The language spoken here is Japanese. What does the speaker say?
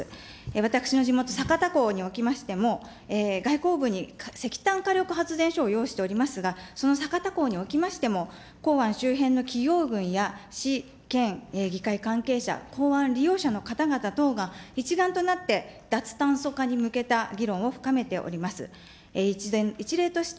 私の地元、酒田港におきましても、がいこう部に石炭火力発電所をようしておりますが、その酒田港におきましても、港湾周辺の企業群や、市、県、議会関係者、港湾利用者の方々等が一丸となって脱炭素化に向けた議論を深めております。